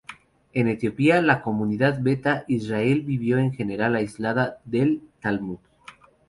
En Etiopía, la comunidad Beta Israel vivió en general aislada del Talmud.